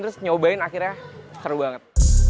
terus nyobain akhirnya seru banget